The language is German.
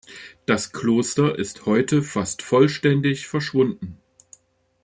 Das Kloster ist heute fast vollständig verschwunden.